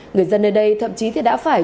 người dân nơi đây thậm chí thì đã phải